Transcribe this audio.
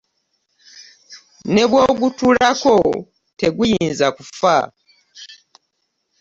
Ne bw'ogutuulako teguyinza kufa.